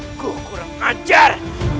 aku kurang ajar